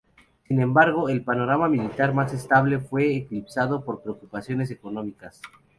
Sin embargo, el panorama militar más estable fue eclipsado por preocupaciones económicas.